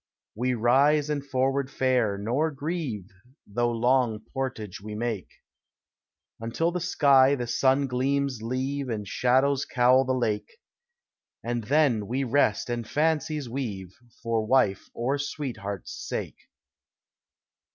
We rise and forward fare, nor grieve Though long portage we make, Until the sky the sun gleams leave And shadows cowl the lake; And then we rest and fancies weave For wife or sweetheart's sake.